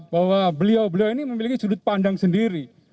bahwa beliau beliau ini memiliki sudut pandang sendiri